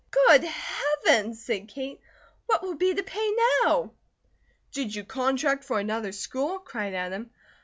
"Good Heavens!" said Kate. "What will be to pay now?" "Did you contract for another school?" cried Adam.